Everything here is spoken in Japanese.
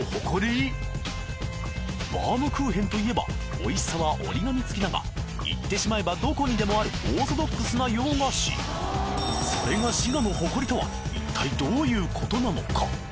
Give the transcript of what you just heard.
バームクーヘンといえばおいしさは折り紙つきだが言ってしまえばどこにでもあるオーソドックスな洋菓子それが滋賀の誇りとは一体どういうことなのか？